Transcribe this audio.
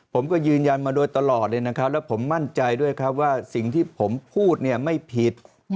ผมก็ยืนยันมาโดยตลอดเลยนะครับแล้วผมมั่นใจด้วยครับว่าสิ่งที่ผมพูดเนี่ยไม่ผิด